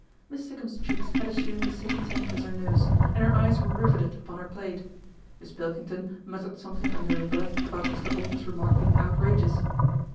Miss Sikkum's cheeks had assumed the same tint as her nose, and her eyes were riveted upon her plate. Miss Pilkington muttered something under her breath about Mr. Bolton's remark being outrageous.